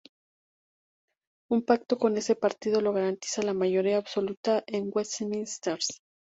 Un pacto con ese partido le garantiza la mayoría absoluta en Westminster.